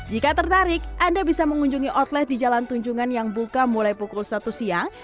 jika tertarik anda bisa mengunjungi outlet di jalan tunjungan yang buka mulai pukul satu siang